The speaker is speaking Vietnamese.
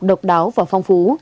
độc đáo và phong phú